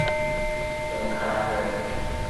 籮坩會